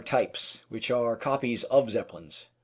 types, which are copies of Zeppelins.